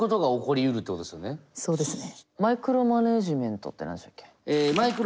そうですね。